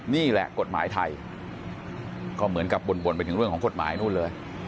นี่แหละกฎหมายไทยก็เหมือนกับบ่นไปถึงเรื่องของกฎหมายนู่นเลย